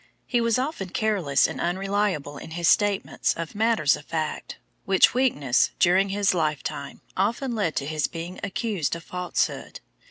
He was often careless and unreliable in his statements of matters of fact, which weakness during his lifetime often led to his being accused of falsehood.